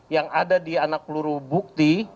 yang ada di anak peluru bukti